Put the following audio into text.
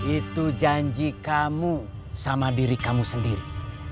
itu janji kamu sama diri kamu sendiri